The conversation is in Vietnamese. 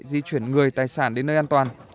di chuyển người tài sản đến nơi an toàn